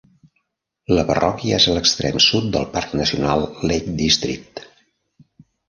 La parròquia és a l'extrem sud del Parc Nacional Lake District.